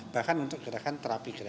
bahkan untuk gerakan terapi gerakan